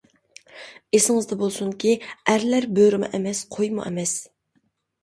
ئېسىڭىزدە بولسۇنكى، ئەرلەر بۆرىمۇ ئەمەس، قويمۇ ئەمەس!